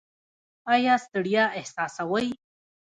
ایا ستړیا احساسوئ؟